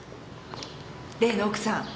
例の奥さん